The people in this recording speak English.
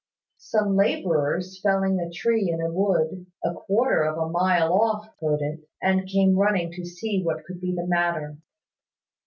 Some labourers felling a tree in a wood, a quarter of a mile off, heard it, and came running to see what could be the matter.